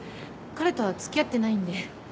彼とはつきあってないんで。